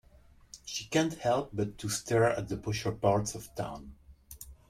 She can't help but to stare at the posher parts of town.